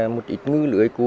một ít ngư lưỡi cũ